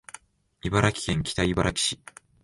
茨城県北茨城市